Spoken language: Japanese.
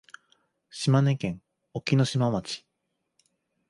島根県隠岐の島町